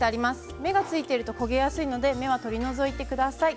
芽がついていると焦げやすいので取り除いてください。